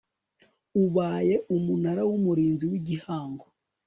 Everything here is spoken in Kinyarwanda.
ubaye umunara w umurinzi w'igihango